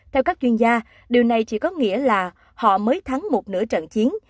theo các chuyên gia điều này chỉ có nghĩa là họ mới thắng một nửa trận chiến